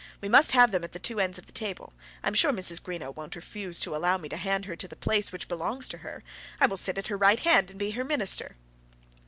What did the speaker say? We must have them at the two ends of the table. I am sure Mrs. Greenow won't refuse to allow me to hand her to the place which belongs to her. I will sit at her right hand and be her minister."